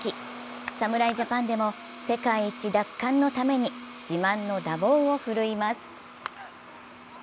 侍ジャパンでも世界一奪還のために自慢の打棒を振るいます。